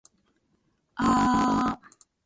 aaaa